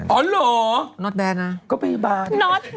นอตแบทนะนอตแบท